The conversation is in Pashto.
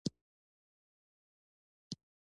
افغانستان د کابل د ساتنې لپاره قوانین لري.